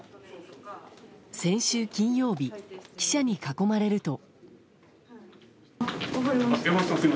先週金曜日、記者に囲まれると。